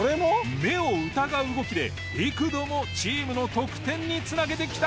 目を疑う動きで幾度もチームの得点に繋げてきた。